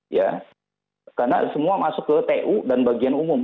ya karena semua masuk ke tu dan bagian umum